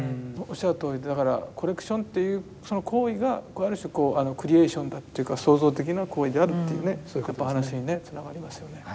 おっしゃるとおりだからコレクションというその行為がある種こうクリエーションだというか創造的な行為であるというねそういう話にねつながりますよね。